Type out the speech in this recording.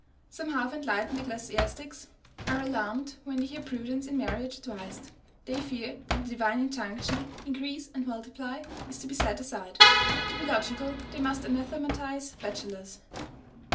"Some half enlightened ecclesiastics are alarmed when they hear prudence in marriage advised; they fear that the divine injunction INCREASE AND MULTIPLY is to be set aside. To be logical, they must anathematize bachelors."